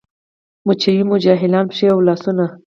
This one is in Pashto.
مچوي مو جاهلان پښې او لاسونه